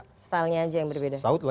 stylenya aja yang berbeda